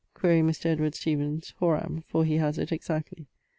Quaere Mr. Edward Stephens horam, for he has it exactly.